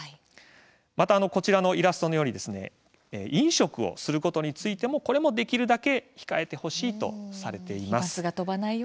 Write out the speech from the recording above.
また、こちらのイラストのように飲食をすることについてもできるだけ控えてほしいとされています。